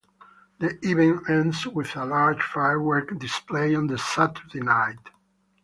The event ends with a large firework display on the Saturday night.